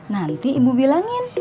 nanti ibu bilangin